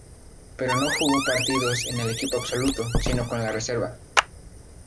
Pero no jugó partidos con el equipo absoluto, sino con la reserva.